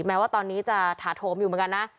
แม้ว่าตอนนี้จะถาโถมอยู่เหมือนกันนะ